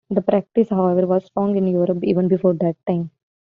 The practice, however, was strong in Europe even before that time.